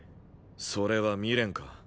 それは未練か？